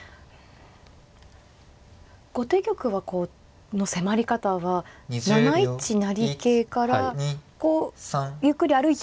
後手玉の迫り方は７一成桂からこうゆっくり歩いていくのが。